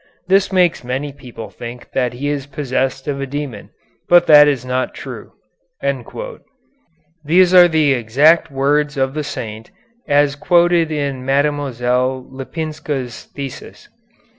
This makes many people think that he is possessed of a demon, but that is not true." These are the exact words of the saint as quoted in Mlle. Lipinska's thesis.